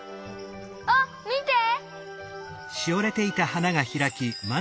あっみて！